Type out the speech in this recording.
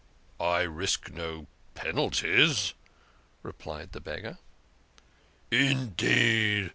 " I risk no penalties," replied the beggar. " Indeed